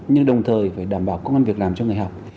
nhưng đồng thời phải đảm bảo công an việc làm cho người học